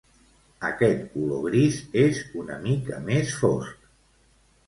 Aquest color gris és una mica més fosc.